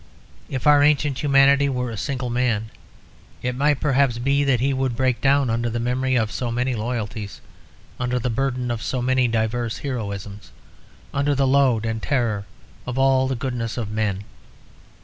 If our ancient humanity were a single man, it might perhaps be that he would break down under the memory of so many loyalties, under the burden of so many diverse heroisms, under the load and terror of all the goodness of men.